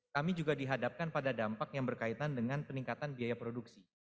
kami juga dihadapkan pada dampak yang berkaitan dengan peningkatan biaya produksi